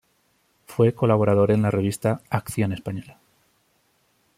Fue colaborador en la revista "Acción Española".